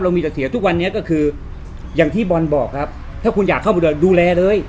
มีแต่เสียทุกวันนี้ก็คืออย่างที่บอลบอกครับถ้าคุณอยากเข้ามาด้วยดูแลเลย